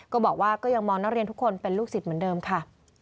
ก็ยังมองนักเรียนทุกคนเป็นลูกศิษย์เหมือนเดิมค่ะ